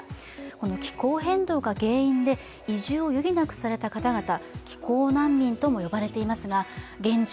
この気候変動が原因で移住を余儀なくされた方々、気候難民とも呼ばれていますが、現状